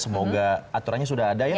semoga aturannya sudah ada ya